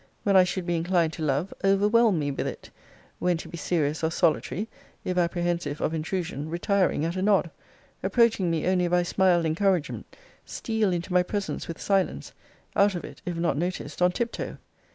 When I should be inclined to love, overwhelm me with it; when to be serious or solitary, if apprehensive of intrusion, retiring at a nod; approaching me only if I smiled encouragement: steal into my presence with silence; out of it, if not noticed, on tiptoe.